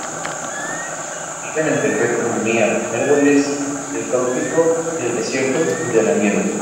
Conviven en perfecta armonía, árboles del trópico, del desierto y de la nieve.